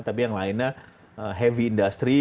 tapi yang lainnya heavy industry